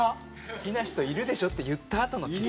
「好きな人いるでしょ」って言ったあとのキス。